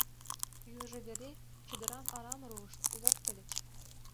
Южо вере чодырам арам руышт, локтыльыч.